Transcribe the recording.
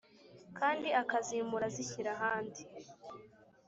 Kandi akazimura azishyira ahandi